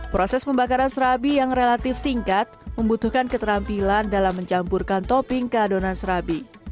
proses pembakaran serabi yang relatif singkat membutuhkan keterampilan dalam mencampurkan topping ke adonan serabi